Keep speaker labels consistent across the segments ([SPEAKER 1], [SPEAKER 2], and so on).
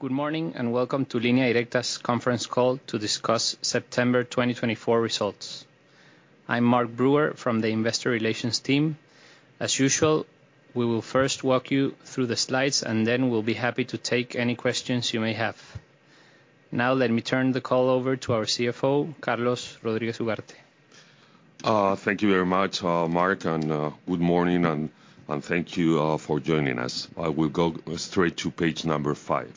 [SPEAKER 1] Good morning, and welcome to Línea Directa's conference call to discuss September 2024 results. I'm Mark Brewer from the investor relations team. As usual, we will first walk you through the slides, and then we'll be happy to take any questions you may have. Now, let me turn the call over to our CFO, Carlos Rodríguez Ugarte.
[SPEAKER 2] Thank you very much, Mark, and good morning, and thank you for joining us. I will go straight to page number five.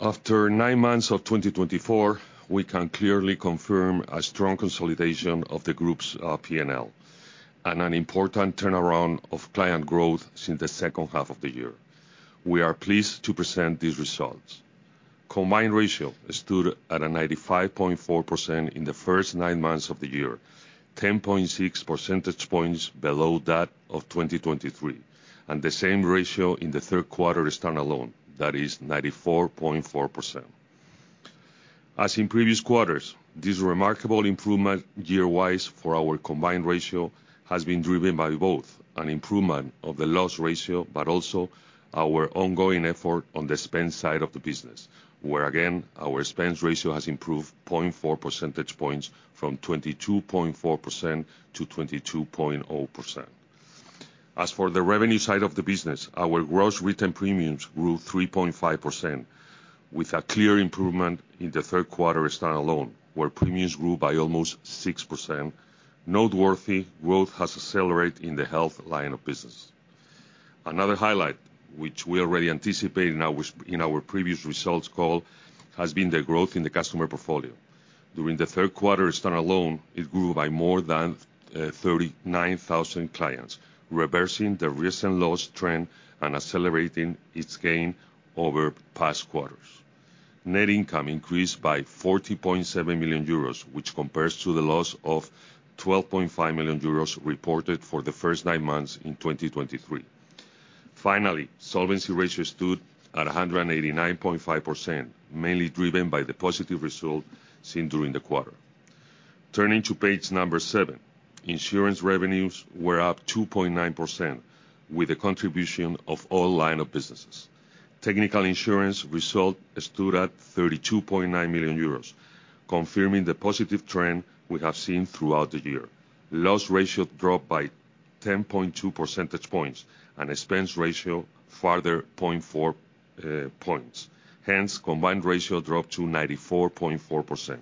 [SPEAKER 2] After nine months of 2024, we can clearly confirm a strong consolidation of the group's P&L, and an important turnaround of client growth since the second half of the year. We are pleased to present these results. Combined ratio stood at 95.4% in the first nine months of the year, 10.6 percentage points below that of 2023, and the same ratio in the third quarter standalone, that is 94.4%. As in previous quarters, this remarkable improvement year-wise for our combined ratio has been driven by both an improvement of the loss ratio, but also our ongoing effort on the spend side of the business, where, again, our expense ratio has improved 0.4 percentage points from 22.4% to 22.0%. As for the revenue side of the business, our gross written premiums grew 3.5%, with a clear improvement in the third quarter standalone, where premiums grew by almost 6%. Noteworthy, growth has accelerated in the health line of business. Another highlight, which we already anticipated in our previous results call, has been the growth in the customer portfolio. During the third quarter standalone, it grew by more than 39,000 clients, reversing the recent loss trend and accelerating its gain over past quarters. Net income increased by 40.7 million euros, which compares to the loss of 12.5 million euros reported for the first nine months in 2023. Finally, solvency ratio stood at 189.5%, mainly driven by the positive result seen during the quarter. Turning to page number seven, insurance revenues were up 2.9%, with the contribution of all lines of business. Technical insurance result stood at 32.9 million euros, confirming the positive trend we have seen throughout the year. Loss ratio dropped by 10.2 percentage points, and expense ratio further 0.4 points. Hence, combined ratio dropped to 94.4%.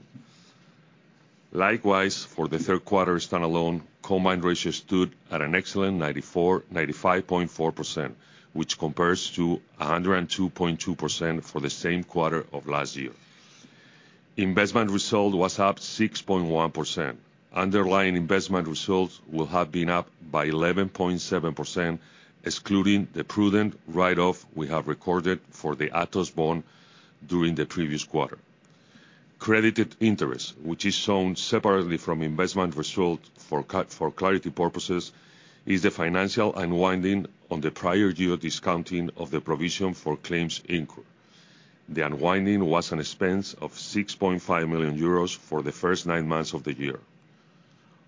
[SPEAKER 2] Likewise, for the third quarter standalone, combined ratio stood at an excellent 95.4%, which compares to 102.2% for the same quarter of last year. Investment result was up 6.1%. Underlying investment results will have been up by 11.7%, excluding the prudent write-off we have recorded for the Atos bond during the previous quarter. Credited interest, which is shown separately from investment result for clarity purposes, is the financial unwinding on the prior year discounting of the provision for claims incurred. The unwinding was an expense of 6.5 million euros for the first nine months of the year.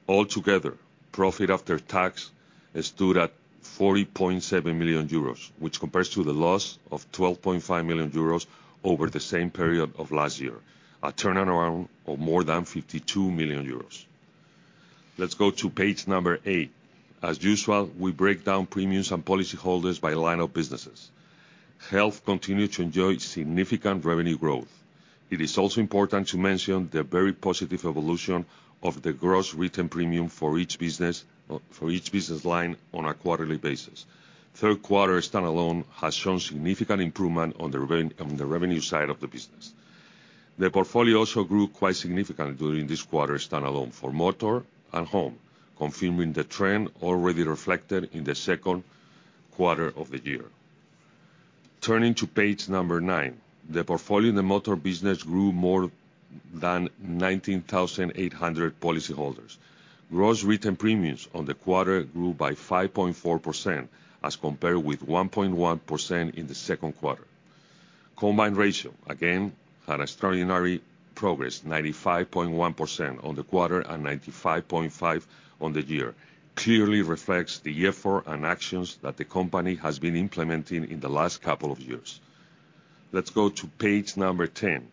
[SPEAKER 2] Altogether, profit after tax stood at 40.7 million euros, which compares to the loss of 12.5 million euros over the same period of last year, a turnaround of more than 52 million euros. Let's go to page eight. As usual, we break down premiums and policyholders by line of businesses. Health continued to enjoy significant revenue growth. It is also important to mention the very positive evolution of the gross written premium for each business for each business line on a quarterly basis. Third quarter standalone has shown significant improvement on the revenue side of the business. The portfolio also grew quite significantly during this quarter standalone for motor and home, confirming the trend already reflected in the second quarter of the year. Turning to page nine, the portfolio in the motor business grew more than 19,800 policyholders. Gross written premiums on the quarter grew by 5.4%, as compared with 1.1% in the second quarter. Combined ratio, again, had extraordinary progress, 95.1% on the quarter and 95.5% on the year, clearly reflects the effort and actions that the company has been implementing in the last couple of years. Let's go to page 10.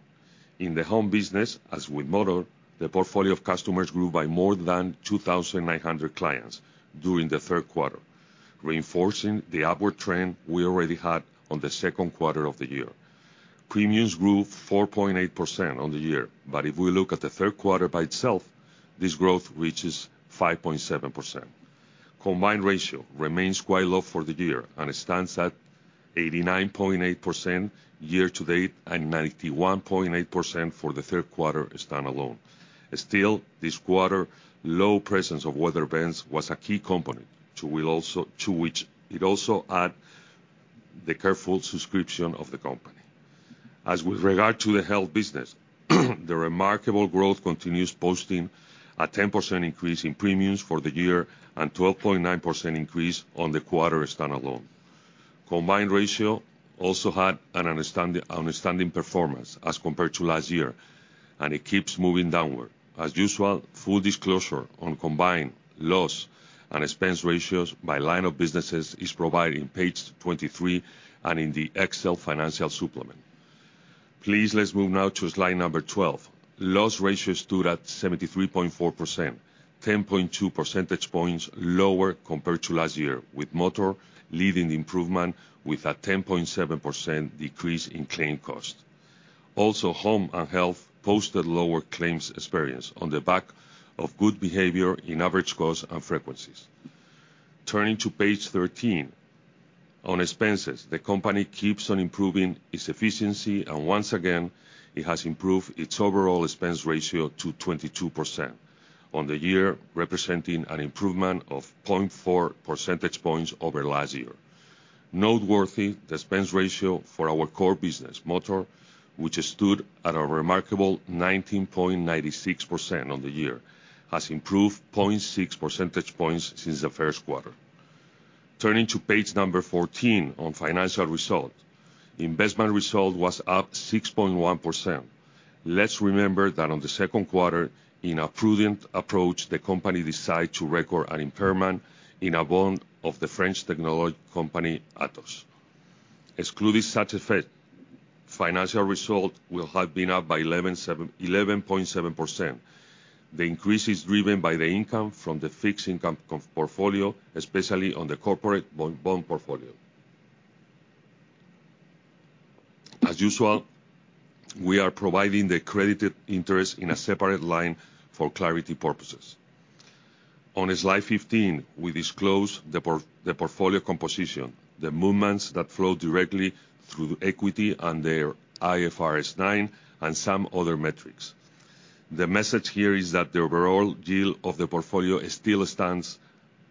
[SPEAKER 2] In the home business, as with motor, the portfolio of customers grew by more than 2,900 clients during the third quarter, reinforcing the upward trend we already had on the second quarter of the year. Premiums grew 4.8% on the year, but if we look at the third quarter by itself, this growth reaches 5.7%. Combined ratio remains quite low for the year and stands at 89.8% year-to-date and 91.8% for the third quarter standalone. Still, this quarter, low presence of weather events was a key component to which it also adds the careful subscription of the company. As with regard to the health business, the remarkable growth continues, posting a 10% increase in premiums for the year and 12.9% increase on the quarter standalone. Combined ratio also had an outstanding performance as compared to last year and it keeps moving downward. As usual, full disclosure on combined loss and expense ratios by line of businesses is provided in page 23, and in the Excel financial supplement. Please, let's move now to slide number 12. Loss ratio stood at 73.4%, 10.2 percentage points lower compared to last year, with motor leading the improvement, with a 10.7% decrease in claim cost. Also, home and health posted lower claims experience on the back of good behavior in average cost and frequencies. Turning to page 13. On expenses, the company keeps on improving its efficiency, and once again, it has improved its overall expense ratio to 22% on the year, representing an improvement of 0.4 percentage points over last year. Noteworthy, the expense ratio for our core business, motor, which stood at a remarkable 19.96% on the year, has improved 0.6 percentage points since the first quarter. Turning to page number 14, on financial result. Investment result was up 6.1%. Let's remember that on the second quarter, in a prudent approach, the company decided to record an impairment in a bond of the French technology company, Atos. Excluding such effect, financial result will have been up by 11.7%. The increase is driven by the income from the fixed income portfolio, especially on the corporate bond portfolio. As usual, we are providing the credited interest in a separate line for clarity purposes. On slide 15, we disclose the portfolio composition, the movements that flow directly through equity and their IFRS 9, and some other metrics. The message here is that the overall yield of the portfolio still stands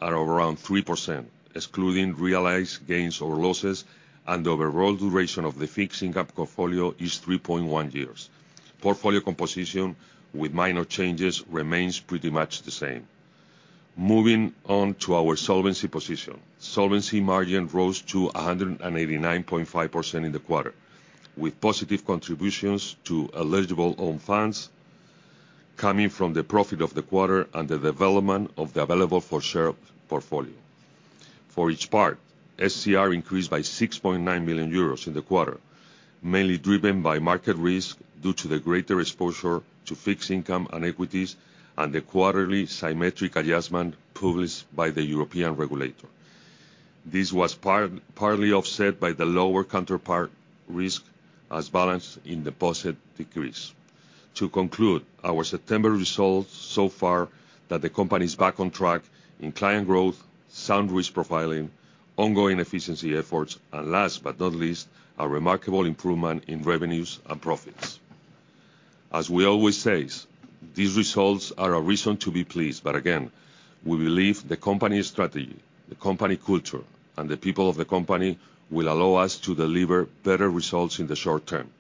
[SPEAKER 2] at around 3%, excluding realized gains or losses, and the overall duration of the fixed income portfolio is 3.1 years. Portfolio composition, with minor changes, remains pretty much the same. Moving on to our solvency position. Solvency margin rose to 189.5% in the quarter, with positive contributions to eligible own funds coming from the profit of the quarter and the development of the available-for-sale portfolio. For each part, SCR increased by 6.9 million euros in the quarter, mainly driven by market risk, due to the greater exposure to fixed income and equities, and the quarterly symmetric adjustment published by the European regulator. This was partly offset by the lower counterparty risk as balances in deposits decrease. To conclude, our September results so far, that the company's back on track in client growth, sound risk profiling, ongoing efficiency efforts, and last but not least, a remarkable improvement in revenues and profits. As we always say, these results are a reason to be pleased, but again, we believe the company strategy, the company culture, and the people of the company will allow us to deliver better results in the short term.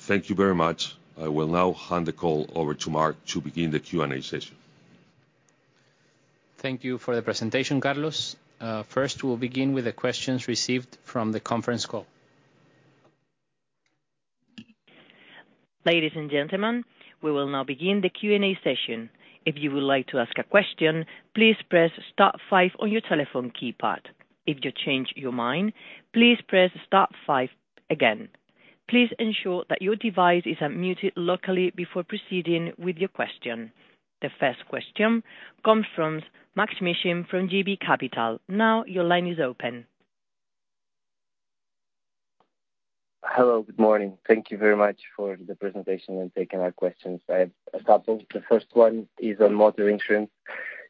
[SPEAKER 2] Thank you very much. I will now hand the call over to Mark to begin the Q&A session.
[SPEAKER 1] Thank you for the presentation, Carlos. First, we'll begin with the questions received from the conference call.
[SPEAKER 3] Ladies and gentlemen, we will now begin the Q&A session. If you would like to ask a question, please press star five on your telephone keypad. If you change your mind, please press star five again. Please ensure that your device is unmuted locally before proceeding with your question. The first question comes from Maksym Mishyn from JB Capital Markets. Now, your line is open.
[SPEAKER 4] Hello, good morning. Thank you very much for the presentation and taking our questions. I have a couple. The first one is on motor insurance.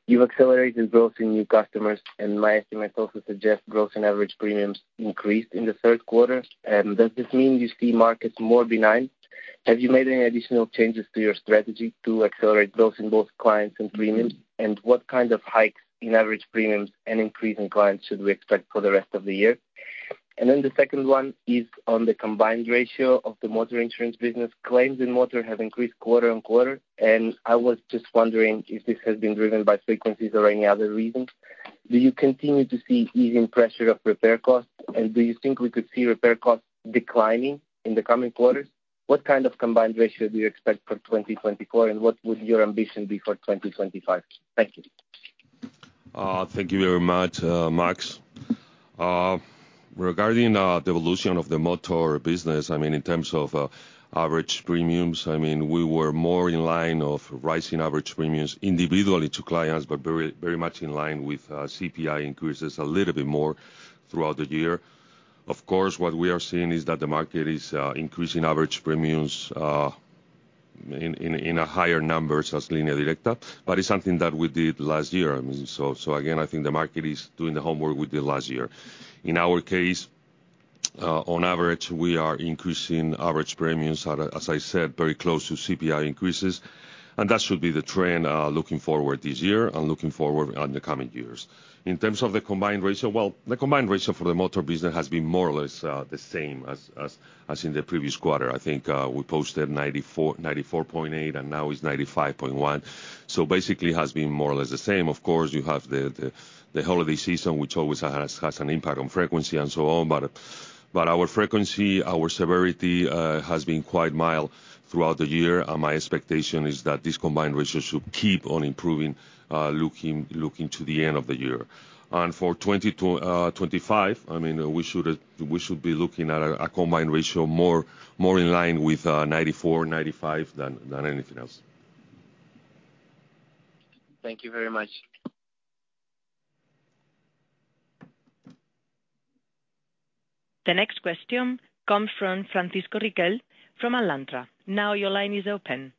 [SPEAKER 4] You've accelerated growth in new customers, and my estimates also suggest growth in average premiums increased in the third quarter. Does this mean you see markets more benign? Have you made any additional changes to your strategy to accelerate growth in both clients and premiums? And what kind of hikes in average premiums and increase in clients should we expect for the rest of the year? And then the second one is on the combined ratio of the motor insurance business. Claims in motor have increased quarter on quarter, and I was just wondering if this has been driven by frequencies or any other reasons. Do you continue to see easing pressure of repair costs, and do you think we could see repair costs declining in the coming quarters? What kind of combined ratio do you expect for 2024, and what would your ambition be for 2025? Thank you.
[SPEAKER 2] Thank you very much, Max. Regarding the evolution of the motor business, I mean, in terms of average premiums, I mean, we were more in line of rising average premiums individually to clients, but very, very much in line with CPI increases a little bit more throughout the year. Of course, what we are seeing is that the market is increasing average premiums in a higher numbers as Línea Directa, but it's something that we did last year. I mean, so again, I think the market is doing the homework we did last year. In our case, on average, we are increasing average premiums at a, as I said, very close to CPI increases, and that should be the trend looking forward this year and looking forward on the coming years. In terms of the combined ratio, well, the combined ratio for the motor business has been more or less the same as in the previous quarter. I think we posted 94.8%, and now it's 95.1%, so basically it has been more or less the same. Of course, you have the holiday season, which always has an impact on frequency and so on, but our frequency, our severity has been quite mild throughout the year. My expectation is that this combined ratio should keep on improving looking to the end of the year. And for 2025, I mean, we should be looking at a combined ratio more in line with 94%-95% than anything else.
[SPEAKER 4] Thank you very much.
[SPEAKER 3] The next question comes from Francisco Riquel from Alantra. Now your line is open.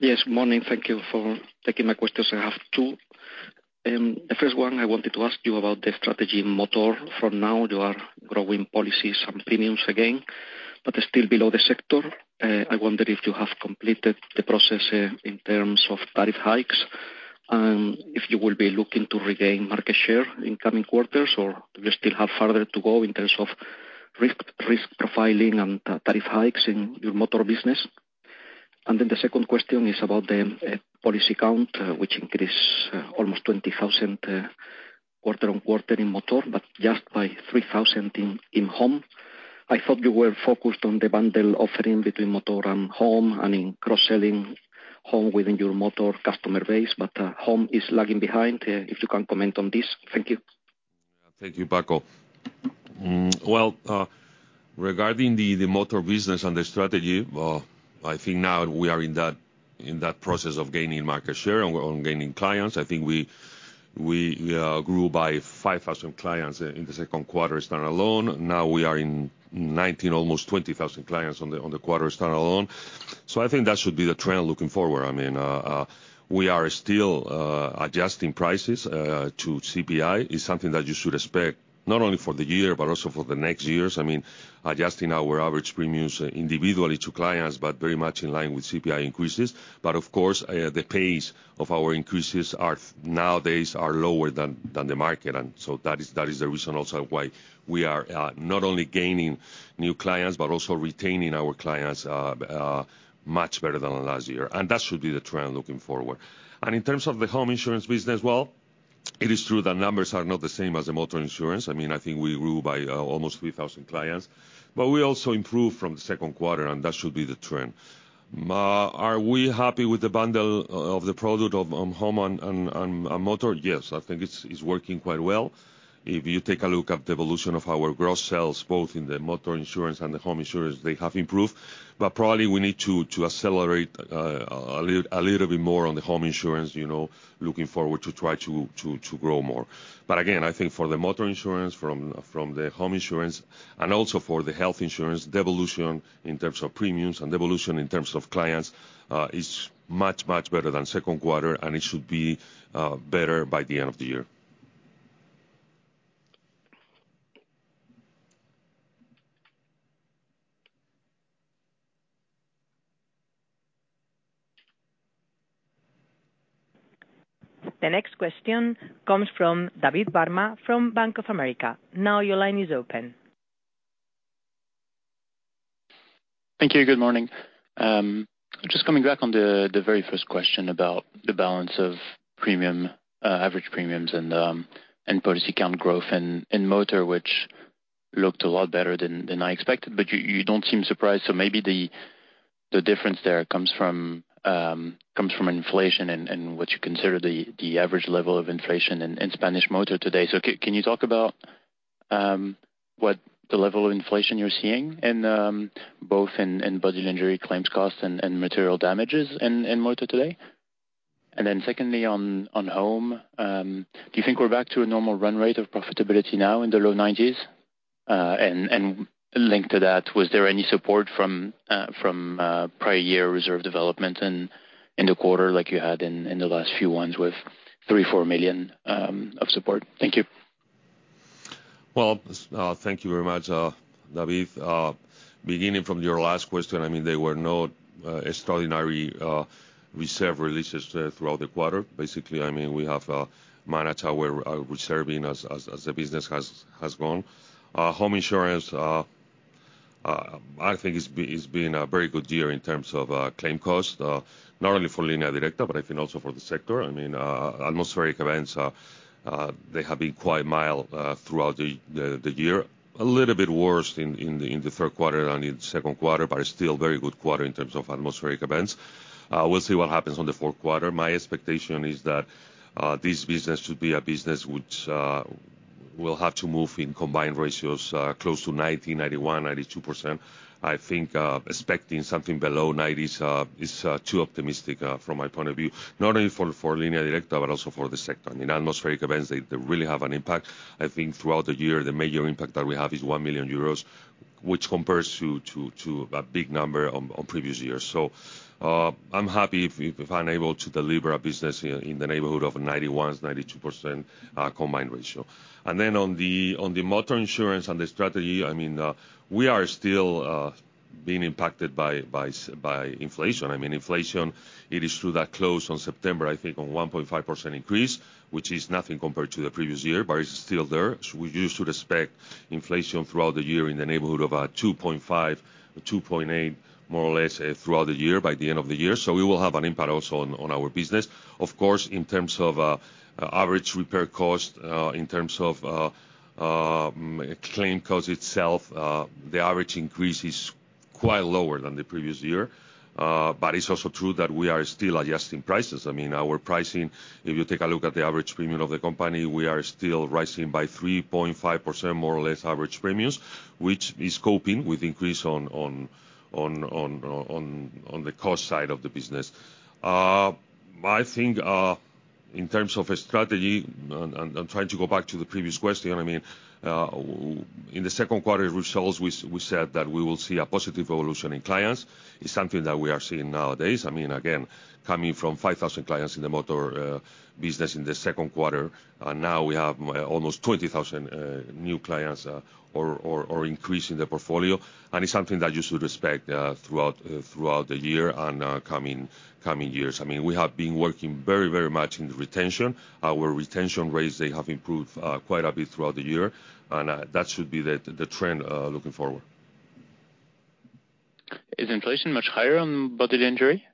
[SPEAKER 5] Yes, morning. Thank you for taking my questions. I have two. The first one, I wanted to ask you about the strategy motor. For now, you are growing policies and premiums again, but they're still below the sector. I wonder if you have completed the process in terms of tariff hikes, and if you will be looking to regain market share in coming quarters, or do you still have farther to go in terms of risk profiling and tariff hikes in your motor business? And then the second question is about the policy count, which increased almost 20,000 quarter on quarter in motor, but just by 3,000 in home. I thought you were focused on the bundle offering between motor and home, and in cross-selling home within your motor customer base, but home is lagging behind. If you can comment on this. Thank you.
[SPEAKER 2] Thank you, Franco. Well, regarding the motor business and the strategy, well, I think now we are in that process of gaining market share and on gaining clients. I think we grew by 5000 clients in the second quarter, standalone. Now we are in 19,000, almost 20,000 clients on the quarter, standalone. So I think that should be the trend looking forward. I mean, we are still adjusting prices to CPI. It's something that you should expect, not only for the year, but also for the next years. I mean, adjusting our average premiums individually to clients, but very much in line with CPI increases. But of course, the pace of our increases nowadays are lower than the market. That is the reason also why we are not only gaining new clients, but also retaining our clients much better than the last year. That should be the trend looking forward. In terms of the home insurance business, well, it is true that numbers are not the same as the motor insurance. I mean, I think we grew by almost 3,000 clients. We also improved from the second quarter, and that should be the trend. Are we happy with the bundle of the product of home and motor? Yes, I think it's working quite well. If you take a look at the evolution of our gross sales, both in the motor insurance and the home insurance, they have improved. But probably we need to accelerate a little bit more on the home insurance, you know, looking forward to try to grow more. But again, I think for the motor insurance, from the home insurance, and also for the health insurance, the evolution in terms of premiums and the evolution in terms of clients is much, much better than second quarter, and it should be better by the end of the year.
[SPEAKER 3] The next question comes from David Barma from Bank of America. Now your line is open.
[SPEAKER 6] Thank you, good morning. Just coming back on the very first question about the balance of premium, average premiums and policy count growth in motor, which looked a lot better than I expected, but you don't seem surprised. So maybe the difference there comes from inflation and what you consider the average level of inflation in Spanish market today. So can you talk about what the level of inflation you're seeing in both in bodily injury claims costs and material damages in motor today? And then secondly, on home, do you think we're back to a normal run rate of profitability now in the low 90s? And linked to that, was there any support from prior year reserve development in the quarter, like you had in the last few ones with 3 million- 4 million of support? Thank you.
[SPEAKER 2] Thank you very much, David. Beginning from your last question, I mean, there were no extraordinary reserve releases throughout the quarter. Basically, I mean, we have managed our reserving as the business has gone. Home insurance, I think it's been a very good year in terms of claim cost, not only for Línea Directa, but I think also for the sector. I mean, atmospheric events are, they have been quite mild throughout the year. A little bit worse in the third quarter than in the second quarter, but still very good quarter in terms of atmospheric events. We'll see what happens on the fourth quarter. My expectation is that this business should be a business which will have to move in combined ratios close to 90%, 91%, 92%. I think expecting something below 90s is too optimistic from my point of view, not only for Línea Directa, but also for the sector. I mean, atmospheric events, they really have an impact. I think throughout the year, the major impact that we have is 1 million euros, which compares to a big number on previous years. So, I'm happy if I'm able to deliver a business in the neighborhood of 91%, 92% combined ratio. And then on the motor insurance and the strategy, I mean, we are still being impacted by inflation. I mean, inflation, it is true that closed on September, I think on 1.5% increase, which is nothing compared to the previous year, but it's still there. So we used to expect inflation throughout the year in the neighborhood of 2.5%-2.8%, more or less, throughout the year, by the end of the year. So we will have an impact also on, on our business. Of course, in terms of average repair cost, in terms of claim cost itself, the average increase is quite lower than the previous year. But it's also true that we are still adjusting prices. I mean, our pricing, if you take a look at the average premium of the company, we are still rising by 3.5%, more or less, average premiums, which is coping with increase on the cost side of the business. I think, in terms of a strategy, and I'm trying to go back to the previous question, I mean, in the second quarter results, we said that we will see a positive evolution in clients. It's something that we are seeing nowadays. I mean, again, coming from 5,000 clients in the motor business in the second quarter, and now we have almost 20,000 new clients, or increasing the portfolio, and it's something that you should expect throughout the year and coming years. I mean, we have been working very, very much in the retention. Our retention rates, they have improved quite a bit throughout the year, and that should be the trend looking forward.
[SPEAKER 6] Is inflation much higher on bodily injury?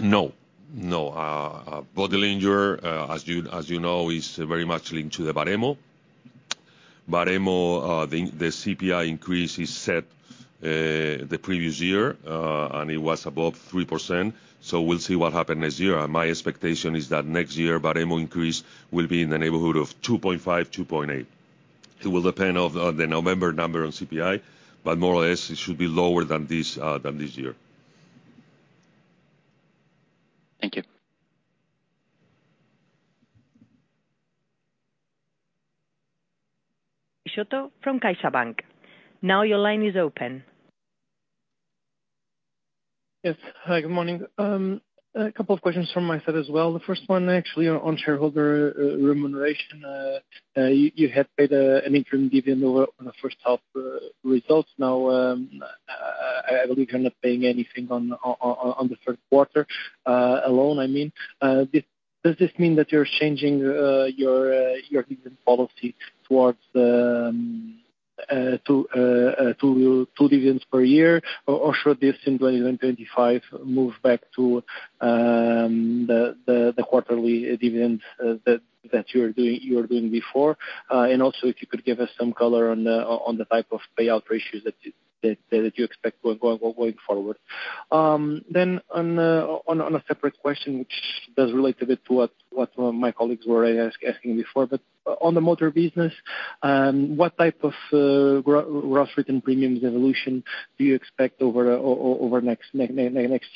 [SPEAKER 2] No, no. Bodily injury, as you know, is very much linked to the Baremo. Baremo, the CPI increase is set the previous year, and it was above 3%, so we'll see what happens next year, and my expectation is that next year, Baremo increase will be in the neighborhood of 2.5%-2.8%. It will depend on the November number on CPI, but more or less, it should be lower than this year.
[SPEAKER 6] Thank you.
[SPEAKER 3] Peixoto from CaixaBank. Now your line is open.
[SPEAKER 7] Yes. Hi, good morning. A couple of questions from my side as well. The first one, actually, on shareholder remuneration. You had paid an interim dividend on the first half results. Now, I believe you're not paying anything on the third quarter alone, I mean. Does this mean that you're changing your dividend policy towards two dividends per year? Or should this in 2025 move back to the quarterly dividends that you were doing before? And also, if you could give us some color on the type of payout ratios that you expect going forward. Then on a separate question, which does relate a bit to what my colleagues were asking before, but on the motor business, what type of gross written premiums evolution do you expect over next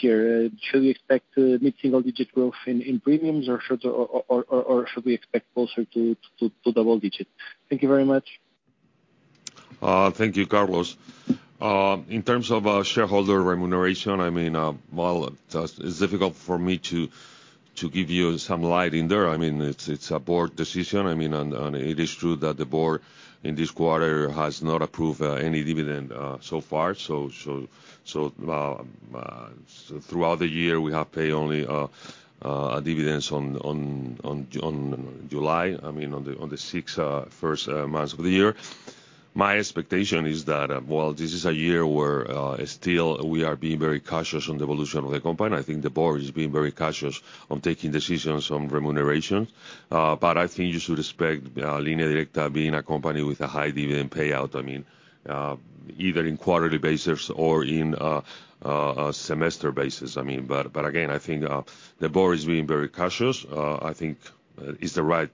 [SPEAKER 7] year? Should we expect mid-single-digit growth in premiums, or should we expect closer to double digits? Thank you very much.
[SPEAKER 2] Thank you, Carlos. In terms of shareholder remuneration, I mean, well, that's, it's difficult for me to give you some light in there. I mean, it's a board decision. I mean, and it is true that the board in this quarter has not approved any dividend so far. So throughout the year, we have paid only dividends on July, I mean, on the six first months of the year. My expectation is that while this is a year where still we are being very cautious on the evolution of the company, I think the board is being very cautious on taking decisions on remuneration. But I think you should expect Línea Directa being a company with a high dividend payout. I mean, either in quarterly basis or in a semester basis. I mean, but again, I think the board is being very cautious. I think it's the right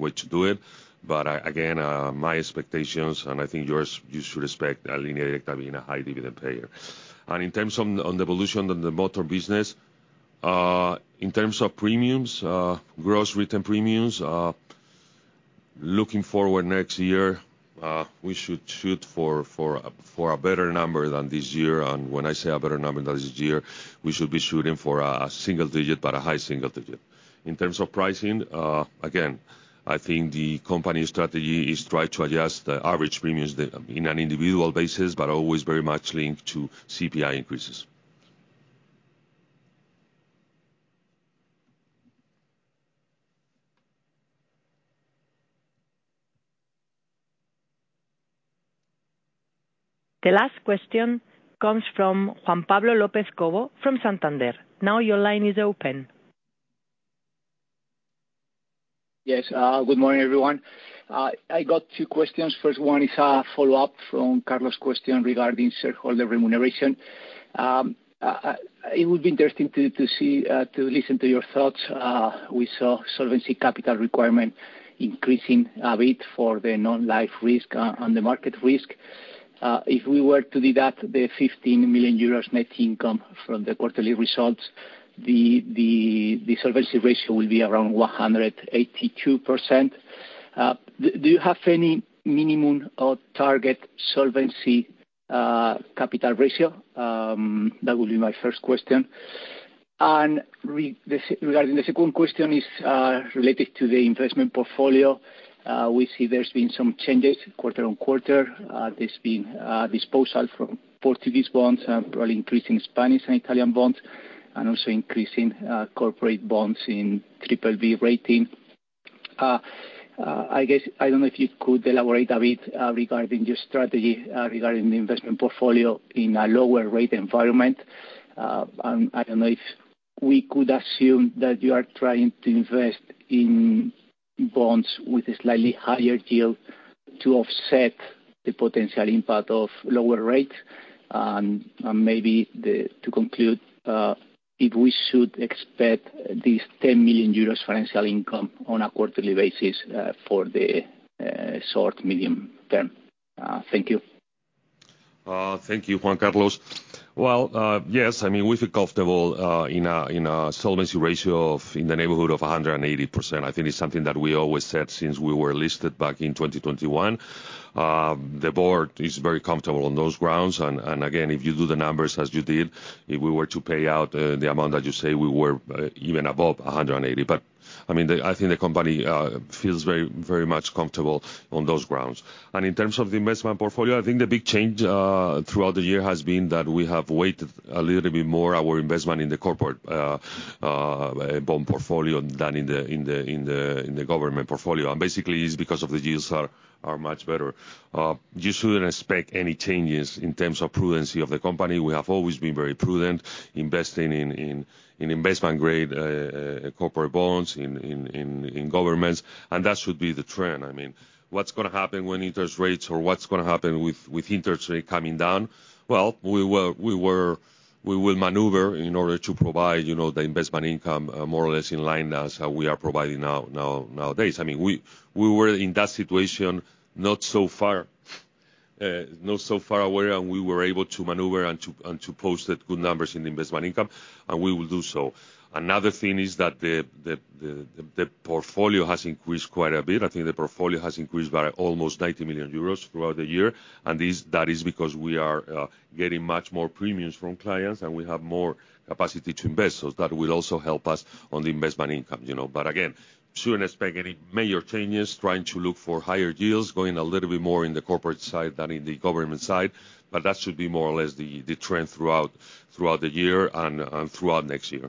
[SPEAKER 2] way to do it. But again, my expectations, and I think yours, you should expect Línea Directa being a high dividend payer. And in terms of on the evolution of the motor business, in terms of premiums, gross written premiums, looking forward next year, we should shoot for a better number than this year. And when I say a better number than this year, we should be shooting for a single digit, but a high single digit. In terms of pricing, again, I think the company's strategy is try to adjust the average premiums that, in an individual basis, but always very much linked to CPI increases.
[SPEAKER 3] The last question comes from Juan Pablo López Cobo from Santander. Now your line is open.
[SPEAKER 8] Yes. Good morning, everyone. I got two questions. First one is a follow-up from Carlos' question regarding shareholder remuneration. It would be interesting to see to listen to your thoughts. We saw Solvency Capital Requirement increasing a bit for the non-life risk on the market risk. If we were to deduct the 15 million euros net income from the quarterly results, the solvency ratio will be around 182%. Do you have any minimum or target solvency capital ratio? That will be my first question. And regarding the second question is related to the investment portfolio. We see there's been some changes quarter on quarter. There's been disposal from Portuguese bonds and probably increasing Spanish and Italian bonds, and also increasing corporate bonds in BBB rating. I guess I don't know if you could elaborate a bit regarding your strategy regarding the investment portfolio in a lower rate environment, and I don't know if we could assume that you are trying to invest in bonds with a slightly higher yield to offset the potential impact of lower rates? And maybe, to conclude, if we should expect this 10 million euros financial income on a quarterly basis for the short, medium term? Thank you.
[SPEAKER 2] Thank you, Juan Carlos. Well, yes, I mean, we feel comfortable in a solvency ratio of in the neighborhood of 100%. I think it's something that we always said since we were listed back in 2021. The board is very comfortable on those grounds, and again, if you do the numbers as you did, if we were to pay out the amount that you say, we were even above 100%. But, I mean, the, I think the company feels very, very much comfortable on those grounds. And in terms of the investment portfolio, I think the big change throughout the year has been that we have weighted a little bit more our investment in the corporate bond portfolio than in the government portfolio, and basically it's because the yields are much better. You shouldn't expect any changes in terms of prudence of the company. We have always been very prudent, investing in investment-grade corporate bonds, in governments, and that should be the trend. I mean, what's gonna happen when interest rates or what's gonna happen with interest rate coming down? Well, we will maneuver in order to provide, you know, the investment income more or less in line as we are providing nowadays. I mean, we were in that situation not so far away, and we were able to maneuver and to post good numbers in investment income, and we will do so. Another thing is that the portfolio has increased quite a bit. I think the portfolio has increased by almost 90 million euros throughout the year, and that is because we are getting much more premiums from clients, and we have more capacity to invest. So that will also help us on the investment income, you know. But again, shouldn't expect any major changes, trying to look for higher yields, going a little bit more in the corporate side than in the government side, but that should be more or less the trend throughout the year and throughout next year.